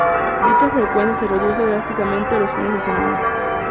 Dicha frecuencia se reduce drásticamente los fines de semana.